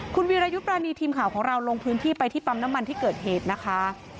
คุณวีรยุทธ์ปรานีทีมข่าวของเราลงพื้นที่ไปที่ปั๊มน้ำมันที่เกิดเหตุนะคะ